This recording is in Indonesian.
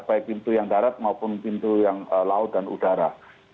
baik pintu yang darat maupun pintu yang laut dan udara